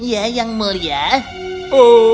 ya yang mulia